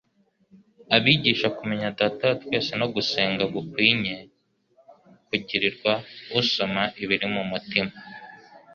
Abigisha kumenya Data wa twese no gusenga gukwinye kugirirwa usoma ibiri mu mutima.